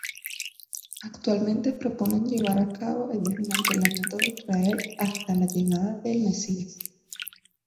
Actualmente proponen llevar a cabo el desmantelamiento de Israel hasta la llegada del Mesías.